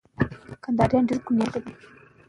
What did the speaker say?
که مادي ژبه وي نو ذهن نه ستړی کېږي.